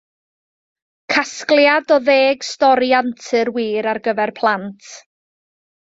Casgliad o ddeg stori antur wir ar gyfer plant.